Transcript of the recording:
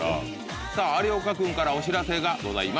さぁ有岡君からお知らせがございます。